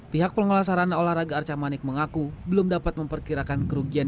pihak pengelola sarana olahraga arca manik mengaku belum dapat memperkirakan kerugian